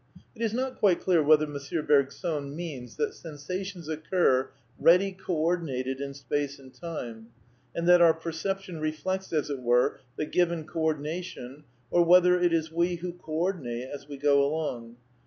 It is not quite clear whether M. Bergson means that sensations occur ready co ordinated in space and time, and that our perception reflects, as it were, the given co ordination, or whether it is we who co ordinate as we go along.